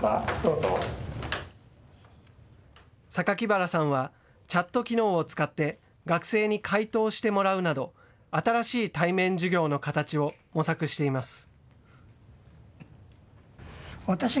榊原さんはチャット機能を使って学生に解答してもらうなど新しい対面授業の形を模索しています。